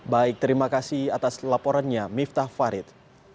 baik terima kasih atas laporannya miftah farid